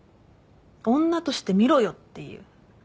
女として見ろよっていう。